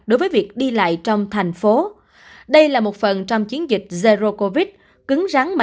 đối với việc đi lại trong thành phố đây là một phần trong chiến dịch zero covid cứng rắn mà